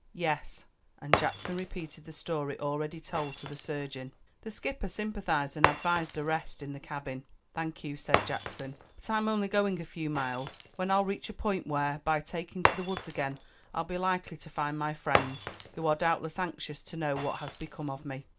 "Yes;" and Jackson repeated the story already told to the surgeon. The skipper sympathized and advised a rest in the cabin. "Thank you," said Jackson; "but I'm only going a few miles, when I'll reach a point where, by taking to the woods again, I'll be likely to find my friends; who are doubtless anxious to know what has become of me."